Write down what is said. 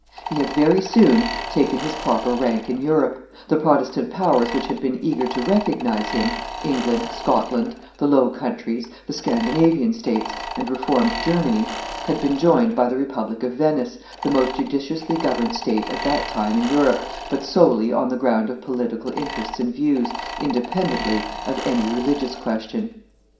He had very soon taken his proper rank in Europe: the Protestant powers which had been eager to recognize him England, Scotland, the Low Countries, the Scandinavian states, and Reformed Germany had been joined by the republic of Venice, the most judiciously governed state at that time in Europe, but solely on the ground of political interests and views, independently of any religious question.